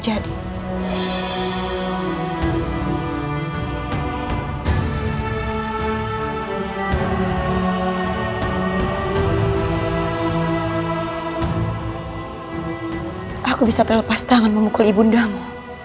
aku bisa terlepas tangan memukul ibu undamu